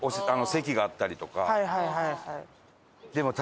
席があったりとか。